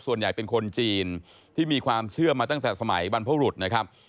ส่วนใหญ่เป็นคนจีนที่มีความเชื่อมาตั้งแต่สมัยบรรพบรุษนะครับ